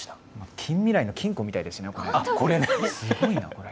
近未来の金庫みたいですね。